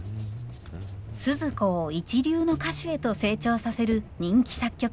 スズ子を一流の歌手へと成長させる人気作曲家羽鳥善一。